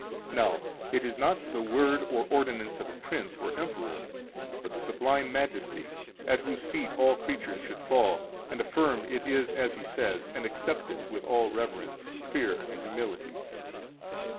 11 Now, it is not the word or ordinance of a prince or emperor, but of the sublime Majesty, at whose feet all creatures should fall, and affirm it is as He says, and accept it with all reverence, fear, and humility.